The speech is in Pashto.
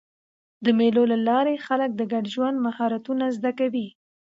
د مېلو له لاري خلک د ګډ ژوند مهارتونه زده کوي.